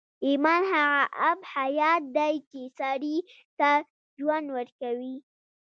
ایمان هغه آب حیات دی چې سړي ته ژوند ورکوي